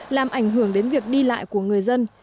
làm ảnh hưởng đến việc đi lại của người dân